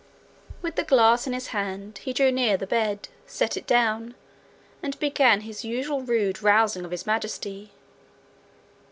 With the glass in his hand, he drew near the bed, set it down, and began his usual rude rousing of His Majesty.